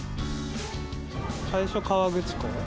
最初、河口湖。